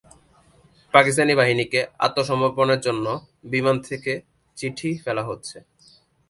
পাকিস্তানি বাহিনীকে আত্মসমর্পণের জন্য বিমান থেকে চিঠি ফেলা হচ্ছে।